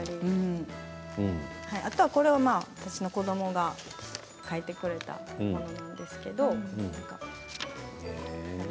あとは私の子どもが描いてくれたものなんですけれど。